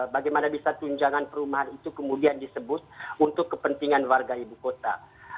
bagaimana bisa tunjangan perumahan itu kemudian disebut untuk kepentingan warga ibu kota